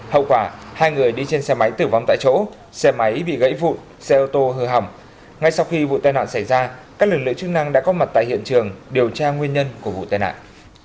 hậu quả hai người đi trên xe máy tử vong tại chỗ xe máy bị gãy vụn xe ô tô hư hỏng ngay sau khi vụ tai nạn xảy ra các lực lượng chức năng đã có mặt tại hiện trường điều tra nguyên nhân của vụ tai nạn